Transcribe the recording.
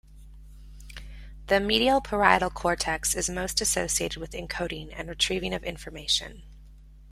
The medial parietal cortex is most associated with encoding and retrieving of information.